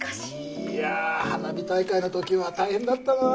いや花火大会の時は大変だったなあ。